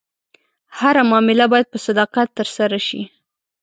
هره معامله باید په صداقت ترسره شي.